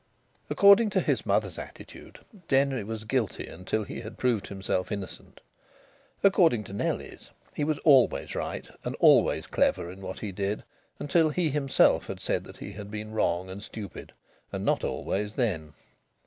According to his mother's attitude, Denry was guilty till he had proved himself innocent. According to Nellie's, he was always right and always clever in what he did, until he himself said that he had been wrong and stupid and not always then.